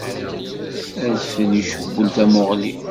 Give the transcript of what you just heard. Adfel icewwel tamuɣli.